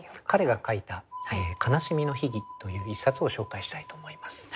彼が書いた「悲しみの秘義」という一冊を紹介したいと思います。